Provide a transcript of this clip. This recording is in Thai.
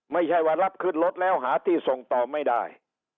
ไม่ใช่ว่ารับขึ้นรถแล้วหาที่ส่งต่อไม่ได้